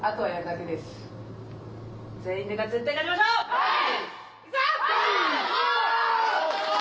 はい！